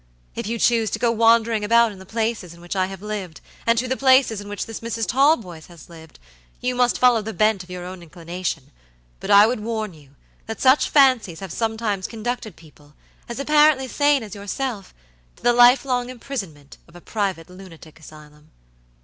If you choose to go wandering about in the places in which I have lived, and to the places in which this Mrs. Talboys has lived, you must follow the bent of your own inclination, but I would warn you that such fancies have sometimes conducted people, as apparently sane as yourself, to the life long imprisonment of a private lunatic asylum."